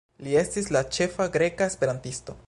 Li estis la ĉefa greka esperantisto.